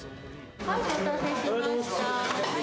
お待たせしました。